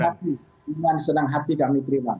dengan senang hati dengan senang hati kami terima